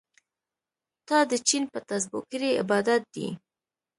تا د چين په تسبو کړی عبادت دی